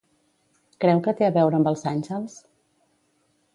Creu que té a veure amb els àngels?